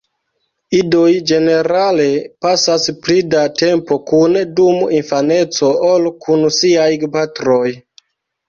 Idoj ĝenerale pasas pli da tempo kune dum infaneco ol kun siaj gepatroj.